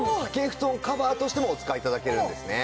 布団カバーとしてもお使い頂けるんですね。